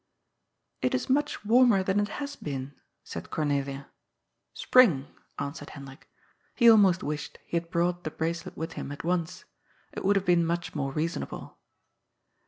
" It is much warmer than it has been," said Cornelia. "Spring," answered Hendrik. He almost wished he 366 GOD'S FOOL. had brought the bracelet with him at once. It would have been much more reasonable.